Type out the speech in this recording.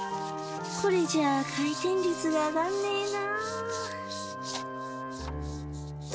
これじゃあ回転率が上がんねえな。